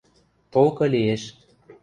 — Толкы лиэш.